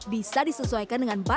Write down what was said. bisa disesuaikan dengan berbeda